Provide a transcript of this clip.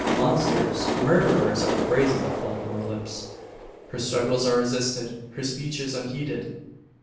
"Monsters! murderers!" are the phrases that fall from her lips. Her struggles are resisted; her speeches unheeded.